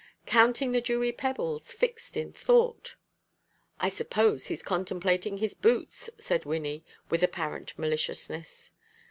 "Counting the dewy pebbles, fixed in thought." "I suppose he's contemplating his boots," said Wynnie, with apparent maliciousness.